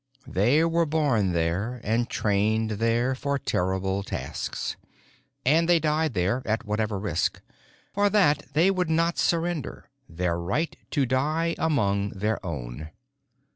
They were born there, and trained there for terrible tasks. And they died there, at whatever risk. For that they would not surrender: their right to die among their own.